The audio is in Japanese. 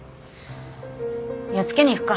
やっつけに行くか。